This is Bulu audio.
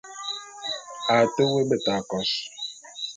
A te woé beta kôs.